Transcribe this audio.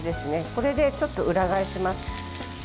これで、ちょっと裏返します。